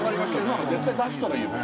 今の絶対出したらいいよ